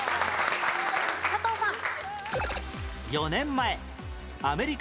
佐藤さん。